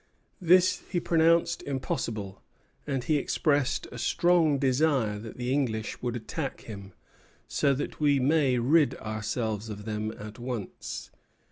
This he pronounced impossible; and he expressed a strong desire that the English would attack him, "so that we may rid ourselves of them at once."